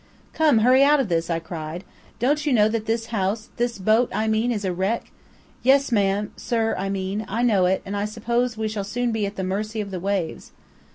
"Come, hurry out of this," I cried. "Don't you know that this house this boat, I mean, is a wreck?" "Yes, sma'am sir, I mean I know it, and I suppose we shall soon be at the mercy of the waves."